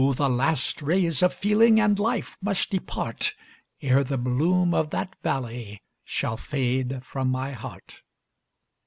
the last rays of feeling and life must depart, Ere the bloom of that valley shall fade from my heart.